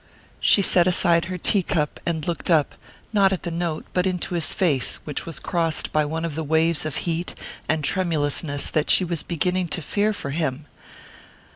She set aside her tea cup, and looked up, not at the note, but into his face, which was crossed by one of the waves of heat and tremulousness that she was beginning to fear for him.